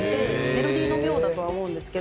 メロディーの妙だとは思うんですけど。